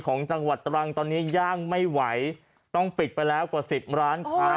ของจังหวัดตรังตอนนี้ย่างไม่ไหวต้องปิดไปแล้วกว่าสิบร้านค้า